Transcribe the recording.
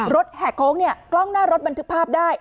รถแหกโค้งกล้องหน้ารถมันถึงภาพได้